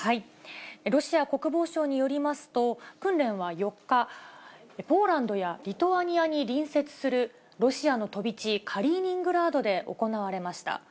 ロシア国防省によりますと、訓練は４日、ポーランドやリトアニアに隣接するロシアの飛び地、カリーニングラードで行われました。